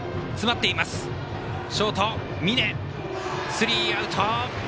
スリーアウト。